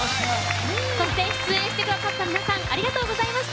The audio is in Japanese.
そして出演してくださった皆さんありがとうございました。